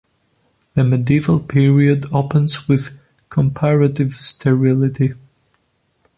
The medieval period opens with comparative sterility.